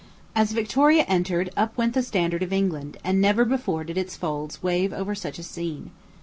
As Victoria entered, up went the standard of England, and never before did its folds wave over such a scene.